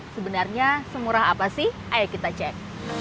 sebenarnya semurah apa sih ayo kita cek